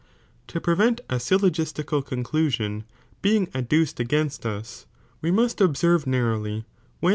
* To prevent a syllogistical conclusion being ad i. Rule up™, duced against us, we must observe narrowly when "'^"Ji'^Jf"..